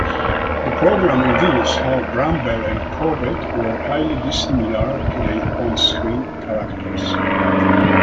The programme reveals how Brambell and Corbett were highly dissimilar to their on-screen characters.